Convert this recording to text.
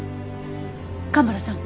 蒲原さん